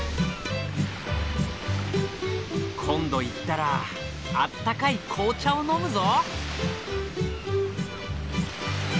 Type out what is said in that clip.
今度行ったらあったかい紅茶を飲むぞ！